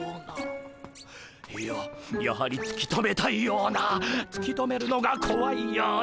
いややはりつき止めたいようなつき止めるのがこわいような。